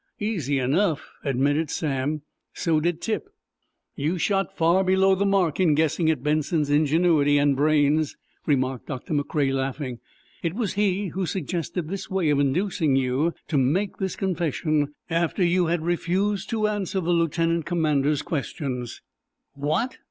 "Easy enough," admitted Sam. "So did Tip." "You shot far below the mark in guessing at Benson's ingenuity and brains," remarked Doctor McCrea, laughing. "It was he who suggested this way of inducing you to make this confession after you had refused to answer the lieutenant commander's questions." "What?"